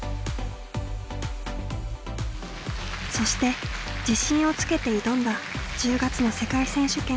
そして自信をつけて挑んだ１０月の世界選手権。